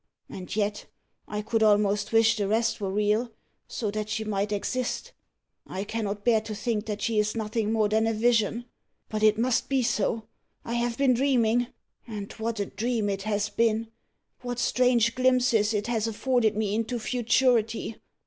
And yet, I could almost wish the rest were real so that she might exist. I cannot bear to think that she is nothing more than a vision. But it must be so I have been dreaming and what a dream it has been! what strange glimpses it has afforded me into futurity!